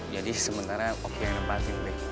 jadi sementara oke yang nempatin be